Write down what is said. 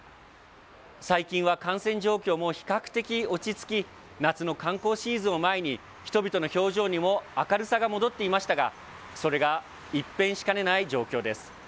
最近は感染状況も比較的落ち着き、夏の観光シーズンを前に、人々の表情にも明るさが戻っていましたが、それが一変しかねない状況です。